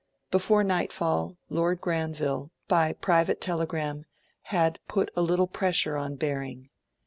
Before nightfall, Lord Granville, by private telegram, had 'put a little pressure on Baring'.